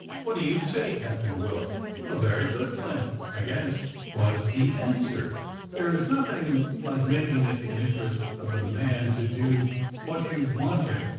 What do you say. Captain Willock?" "A very good plan, I guess," was the answer; "there is nothing like making it the interest of a man to do what you want him.